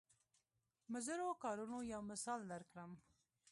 مضرو کارونو یو مثال درکړم.